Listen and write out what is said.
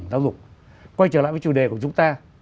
giáo dục quay trở lại với chủ đề của chúng ta